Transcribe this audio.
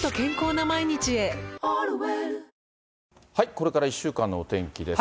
これから１週間のお天気です。